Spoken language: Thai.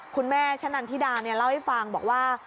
คุณแม่ชะนันทิดาเล่าให้ฟังบอกว่า